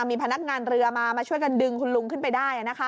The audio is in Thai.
มีพนักงานเรือมามาช่วยกันดึงคุณลุงขึ้นไปได้